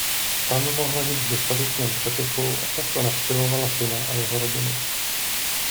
Tam mohla žít v dostatečném přepychu a často navštěvovala syna a jeho rodinu.